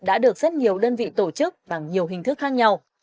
đã được rất nhiều đơn vị tổ chức bằng nhiều hình thức khác nhau